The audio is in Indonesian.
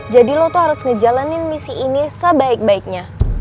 jadi lo tuh harus ngejalanin misi ini sebaik baiknya